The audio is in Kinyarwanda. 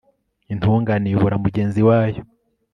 intungane iyobora mugenzi wayo